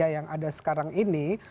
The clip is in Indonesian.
yang ada sekarang ini